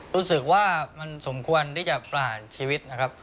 รู้สึกว่ามันสมควรที่จะผ่านชีวิตนะครับ